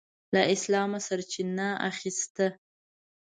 له اسلامه سرچینه اخیسته.